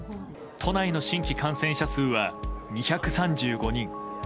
都内の新規感染者数は２３５人。